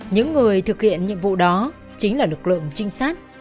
những người thực hiện nhiệm vụ đó chính là lực lượng trinh sát